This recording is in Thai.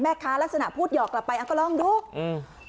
แม่ค้าลักษณะพูดหยอกกลับไปอ้าวก็ลองดูอืม